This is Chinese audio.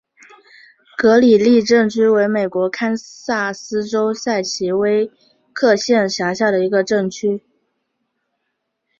格里利镇区为美国堪萨斯州塞奇威克县辖下的镇区。